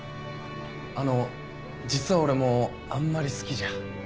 あの実は俺もあんまり好きじゃ。